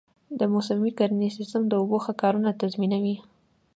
د موسمي کرنې سیستم د اوبو ښه کارونه تضمینوي.